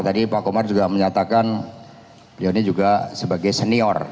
tadi pak komar juga menyatakan beliau ini juga sebagai senior